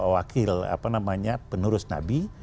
wakil penurus nabi